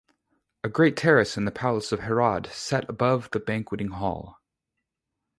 A great terrace in the Palace of Herod, set above the banqueting hall.